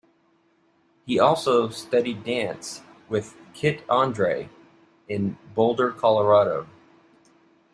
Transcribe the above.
He also studied dance with Kit Andree in Boulder, Colorado.